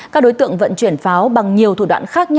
các đối tượng vận chuyển pháo bằng nhiều thủ đoạn khác nhau